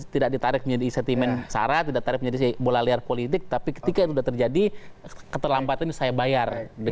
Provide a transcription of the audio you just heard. tidak ditarik menjadi sentimen sara tidak tarik menjadi bola liar politik tapi ketika itu sudah terjadi keterlambatan ini saya bayar